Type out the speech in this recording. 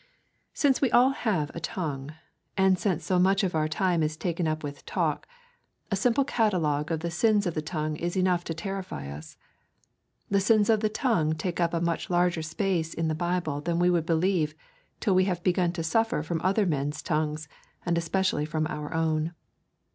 Since we all have a tongue, and since so much of our time is taken up with talk, a simple catalogue of the sins of the tongue is enough to terrify us. The sins of the tongue take up a much larger space in the Bible than we would believe till we have begun to suffer from other men's tongues and especially from our own.